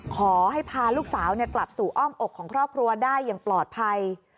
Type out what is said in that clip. ขอให้พาลูกสาวกลับสู่อ้อมอกของครอบครัวได้อย่างปลอดภัย